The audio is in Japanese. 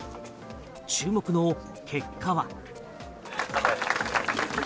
注目の結果は。